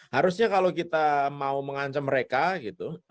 harusnya kalau kita mau mengancam mereka gitu